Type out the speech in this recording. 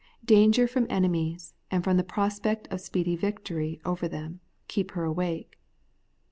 Danger from enemies, and the prospect of speedy victory over them, keep her awake.